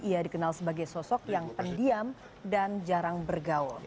ia dikenal sebagai sosok yang pendiam dan jarang bergaul